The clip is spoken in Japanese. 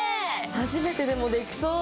初めてでもできそう！